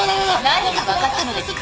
何が分かったのですか？